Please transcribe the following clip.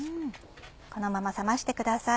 このまま冷ましてください。